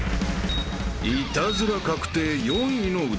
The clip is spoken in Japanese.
［イタズラ確定４位のうどん］